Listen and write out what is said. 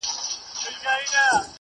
د پېښو اټکل کول ناشونی ښکاري.